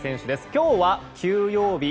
今日は休養日。